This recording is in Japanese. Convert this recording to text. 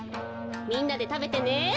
みんなでたべてね。